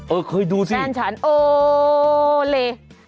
เออเคยดูสิแฟนฉันโอ้เล